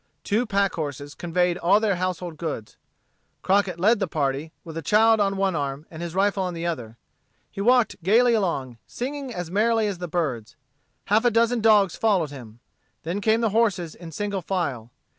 Two pack horses conveyed all their household goods. Crockett led the party, with a child on one arm and his rifle on the other. He walked gayly along, singing as merrily as the birds. Half a dozen dogs followed him. Then came the horses in single file.